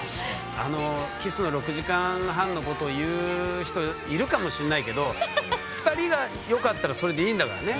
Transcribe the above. あのキスの６時間半のこと言う人いるかもしんないけど２人がよかったらそれでいいんだからね。